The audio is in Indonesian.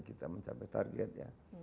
kita mencapai target